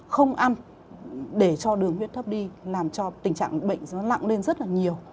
không ăn để cho đường huyết thấp đi làm cho tình trạng bệnh nó lặng lên rất là nhiều